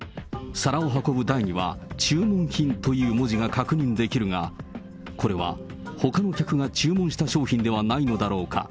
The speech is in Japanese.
皿を運ぶ台には、注文品という文字が確認できるが、これはほかの客が注文した商品ではないのだろうか。